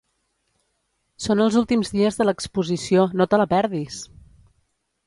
Són els últims dies de l'exposició, no te la perdis!